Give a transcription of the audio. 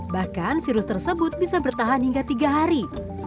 bahkan virus tersebut bisa bertahan hingga tiga hari